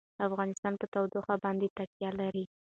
افغانستان په تودوخه باندې تکیه لري.